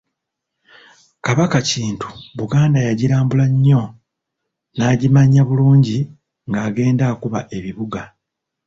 Kabaka Kintu Buganda yagirambula nnyo n'agimanya bulungi ng'agenda akuba ebibuga.